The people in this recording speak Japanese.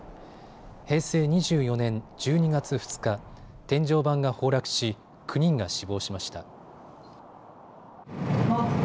平成２４年１２月２日、天井板が崩落し９人が死亡しました。